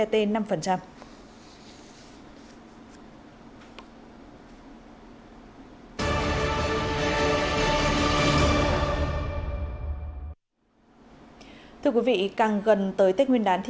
thưa quý vị càng gần tới tết nguyên đán thì dịch vụ giỏ quà bánh kẹo càng sôi động tại các cửa hàng chợ truyền thống các siêu thị